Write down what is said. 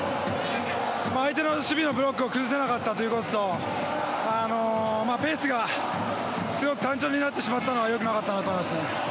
相手の守備のブロックを崩せなかったということとペースが、すごく単調になってしまったのがよくなかったと思います。